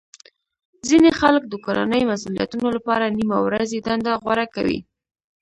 ځینې خلک د کورنۍ مسولیتونو لپاره نیمه ورځې دنده غوره کوي